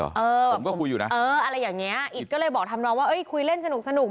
ผมก็คุยอยู่นะเอออะไรอย่างเงี้อิดก็เลยบอกทำน้องว่าเอ้ยคุยเล่นสนุกสนุก